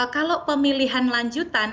kalau pemilihan lanjutan